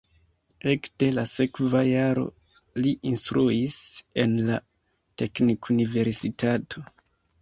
Ekde la sekva jaro li instruis en la teknikuniversitato.